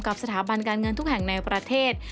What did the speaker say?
สถาบันการเงินทุกแห่งในประเทศ